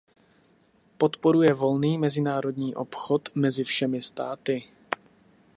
Podporuje volný mezinárodní obchod mezi všemi státy.